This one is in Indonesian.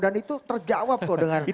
dan itu terjawab kok dengan faktanya